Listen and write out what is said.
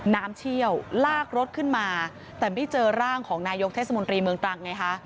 เชี่ยวลากรถขึ้นมาแต่ไม่เจอร่างของนายกเทศมนตรีเมืองตรังไงคะ